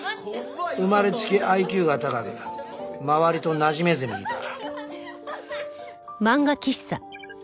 生まれつきＩＱが高く周りとなじめずにいた。